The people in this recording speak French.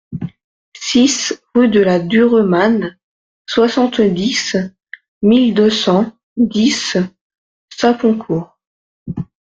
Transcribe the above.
six rue de la Duremanne, soixante-dix mille deux cent dix Saponcourt